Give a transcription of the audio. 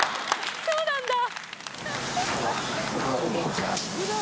そうなんだ。